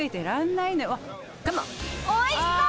おいしそう！